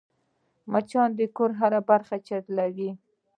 مچان د کور هره برخه چټلوي